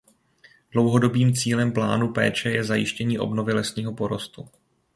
Dlouhodobým cílem plánu péče je zajištění obnovy lesního porostu.